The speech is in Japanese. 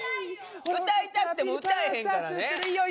歌いたくても歌えへんから。